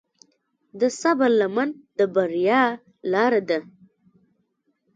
د صبر لمن د بریا لاره ده.